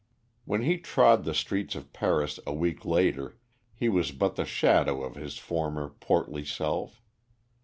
When he trod the streets of Paris a week later, he was but the shadow of his former portly self.